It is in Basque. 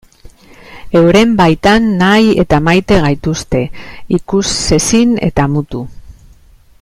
Euren baitan nahi eta maite gaituzte, ikusezin eta mutu.